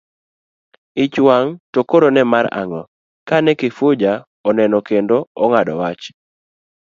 Ich wang' to koro mar ang'o kane Kifuja oneno kendo ong'ado wach?